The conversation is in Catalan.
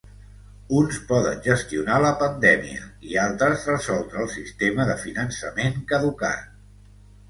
Uns poden gestionar la pandèmia i altres resoldre el sistema de finançament caducat.